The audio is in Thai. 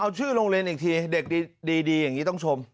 เอาชื่อโรงเรียนอีกทีเด็กดีอย่างนี้ต้องชม